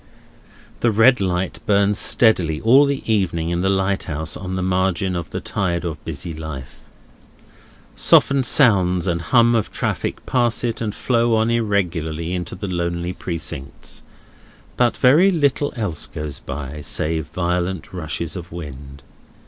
The red light burns steadily all the evening in the lighthouse on the margin of the tide of busy life. Softened sounds and hum of traffic pass it and flow on irregularly into the lonely Precincts; but very little else goes by, save violent rushes of wind.